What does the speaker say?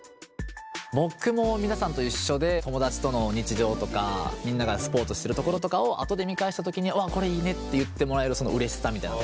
僕も皆さんと一緒で友達との日常とかみんながスポーツしてるところとかを後で見返した時に「うわこれいいね」って言ってもらえるそのうれしさみたいな。